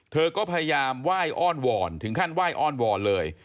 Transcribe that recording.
เธอก็พยายามไหว้อ้อนวอนถึงขั้นไหว้อ้อนวอนเลย